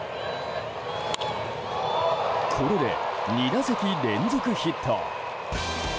これで２打席連続ヒット。